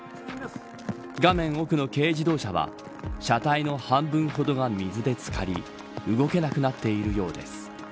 画面奥の軽自動車は車体の半分ほどが水で漬かり動けなくなっているようです。